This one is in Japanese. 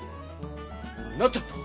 なっちゃった。